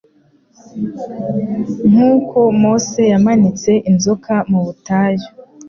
«Nk'uko Mose yamanitse inzoka mu butayu,